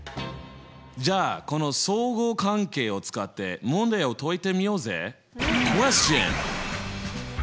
じゃあこの相互関係を使って問題を解いてみようぜ！